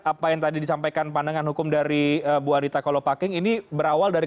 apa yang tadi disampaikan pandangan hukum dari bu anita kolopaking ini berawal dari